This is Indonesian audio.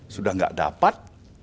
sudah nggak dapat